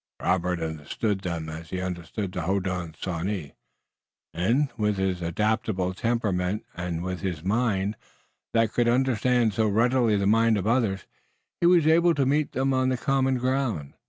Robert understood them as he understood the Hodenosaunce, and, with his adaptable temperament, and with his mind that could understand so readily the minds of others, he was able to meet them on common ground.